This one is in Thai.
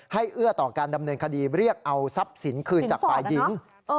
เอื้อต่อการดำเนินคดีเรียกเอาทรัพย์สินคืนจากฝ่ายหญิง